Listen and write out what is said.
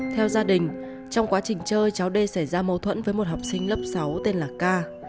theo gia đình trong quá trình chơi cháu đê xảy ra mâu thuẫn với một học sinh lớp sáu tên là ca